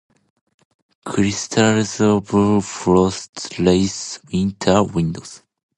Crystals of frost lace winter windows.